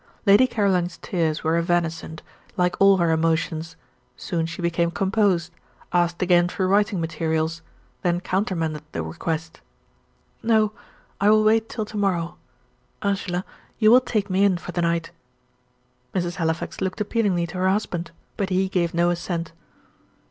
Lady Caroline's tears were evanescent, like all her emotions. Soon she became composed asked again for writing materials then countermanded the request. "No, I will wait till to morrow. Ursula, you will take me in for the night?" Mrs. Halifax looked appealingly to her husband, but he gave no assent.